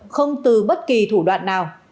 không từ bất kỳ thủ đoạn nào